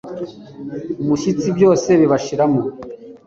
umushyitsi, byose bibashiramo